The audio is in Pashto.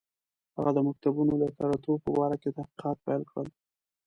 هغه د مکتوبونو د کره توب په باره کې تحقیقات پیل کړل.